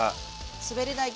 滑り台！